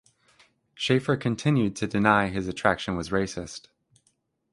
Schafer continued to deny his attraction was racist.